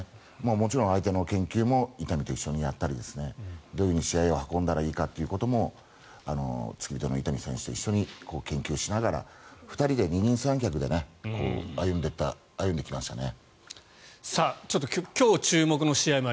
もちろん相手の研究も伊丹と一緒にやったりどういうふうに試合を運んだらいいかということも付き人の伊丹選手と一緒に研究しながら２人で二人三脚で歩んできましたね。